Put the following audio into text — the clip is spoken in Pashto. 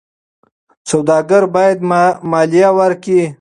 سوداګر باید مالیه ورکړي.